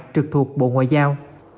trực thuộc bộ ngoại giao